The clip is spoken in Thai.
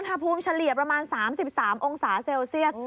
อุณหภูมิเฉลี่ยประมาณ๓๓องศาเซลเซียส